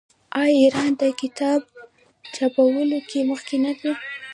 آیا ایران د کتاب چاپولو کې مخکې نه دی؟